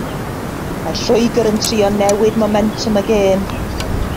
Mae Lloegr yn trio newid momentwm y gêm.